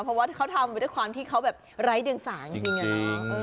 เพราะว่าเขาทำไปด้วยความที่เขาแบบไร้เดียงสาจริงอะนะ